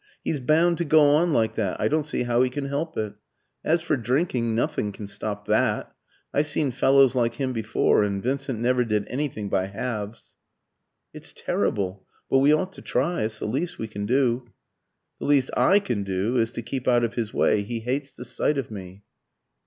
He's bound to go on like that; I don't see how he can help it. As for drinking, nothing can stop that; I've seen fellows like him before; and Vincent never did anything by halves." "It's terrible. But we ought to try it's the least we can do." "The least I can do is to keep out of his way. He hates the sight of me."